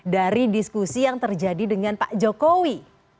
dari diskusi yang terjadi dengan pak jokowi